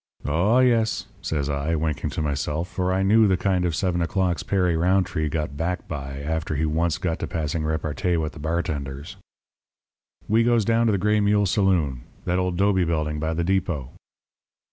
"'Oh, yes,' says I, winking to myself, for I knew the kind of seven o'clocks Perry Rountree got back by after he once got to passing repartee with the bartenders. "We goes down to the Gray Mule saloon that old 'dobe building by the depot.